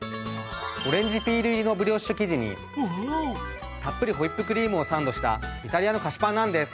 オレンジピール入りのブリオッシュ生地にたっぷりホイップクリームをサンドしたイタリアの菓子パンなんです。